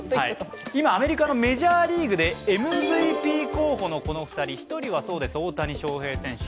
今、アメリカのメジャーリーグでＭＶＰ候補のこのお二人１人は大谷翔平選手。